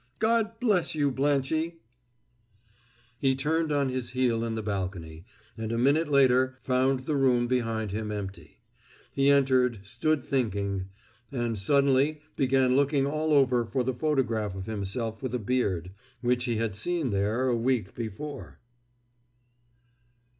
"God bless you, Blanchie!" [Illustration: "God bless you, Blanchie!"] He turned on his heel in the balcony, and a minute later found the room behind him empty. He entered, stood thinking, and suddenly began looking all over for the photograph of himself, with a beard, which he had seen there a week before.